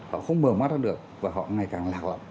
họ không mở mắt ra được và họ ngày càng lạc lõng